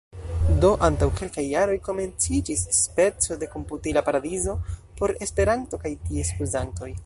Do antaŭ kelkaj jaroj komenciĝis speco de komputila paradizo por Esperanto kaj ties uzantoj.